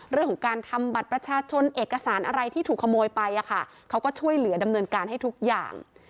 เรื่องของการทำบัตรประชาชนเอกสารอะไรที่ถูกขโมยไปเขาก็ช่วยเหลือดำเนินการให้ทุกอย่าง